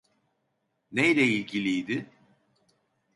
Neyle ilgiliydi?